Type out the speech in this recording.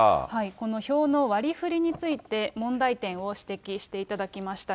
この票の割りふりについて、問題点を指摘していただきました。